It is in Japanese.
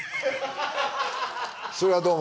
それはどうも。